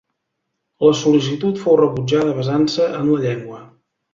La sol·licitud fou rebutjada basant-se en la llengua.